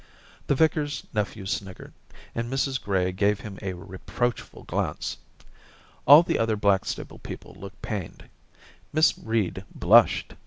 The vicar's nephew sniggered, and Mrs Gray gave him a reproachful glance ; all the other Blackstable people looked pained ; Miss Reed blushed.